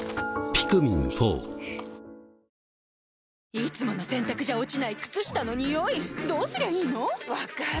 いつもの洗たくじゃ落ちない靴下のニオイどうすりゃいいの⁉分かる。